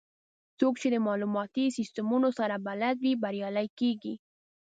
څوک چې د معلوماتي سیستمونو سره بلد وي، بریالي کېږي.